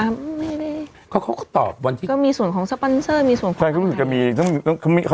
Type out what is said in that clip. มีค่าอะไรเท่าไหร่ยังไงอะไรอย่างเงี้ย